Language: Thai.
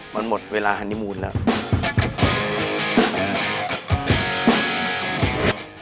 มันหมดเวลาฮันนิมูลแล้ว